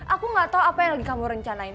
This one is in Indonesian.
aku gak tau apa yang lagi kamu rencanain